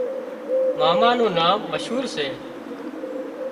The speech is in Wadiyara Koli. ماما نُون نام مشهور سي